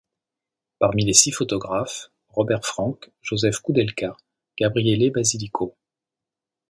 Parmi les six photographes, Robert Frank, Josef Koudelka, Gabriele Basilico.